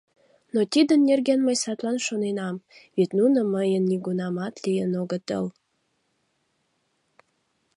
— Но тидын нерген мый садлан шоненам, вет нуно мыйын нигунамат лийын огытыл.